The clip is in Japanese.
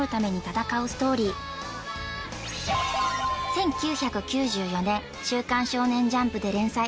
１９９４年『週刊少年ジャンプ』で連載